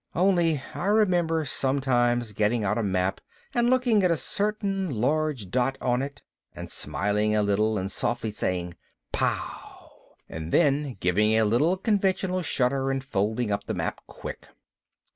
Only I remember sometimes getting out a map and looking at a certain large dot on it and smiling a little and softly saying, 'Pow!' and then giving a little conventional shudder and folding up the map quick.